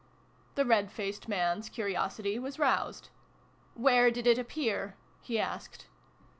The red faced man's curiosity was roused. " Where did it appear ?" he asked.